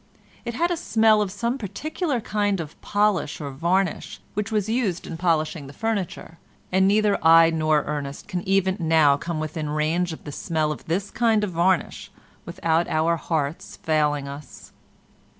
It had a smell of some particular kind of polish or varnish which was used in polishing the furniture, and neither I nor Ernest can even now come within range of the smell of this kind of varnish without our hearts failing us.